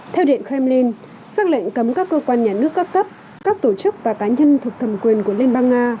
theo điện kremlin xác lệnh cấm các cơ quan nhà nước cấp cấp các tổ chức và cá nhân thuộc thẩm quyền của liên bang nga